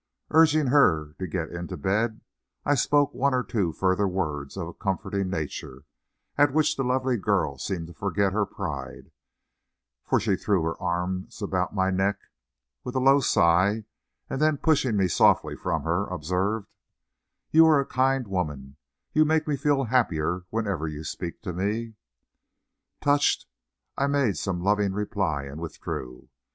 Urging her to get into bed, I spoke one or two further words of a comforting nature, at which the lovely girl seemed to forget her pride, for she threw her arms about my neck with a low sigh, and then, pushing me softly from her, observed: "You are a kind woman; you make me feel happier whenever you speak to me." Touched, I made some loving reply, and withdrew.